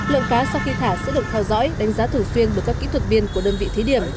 lượng cá sau khi thả sẽ được theo dõi đánh giá thường xuyên bởi các kỹ thuật viên của đơn vị thí điểm